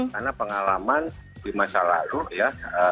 karena pengalaman di masa lalu ya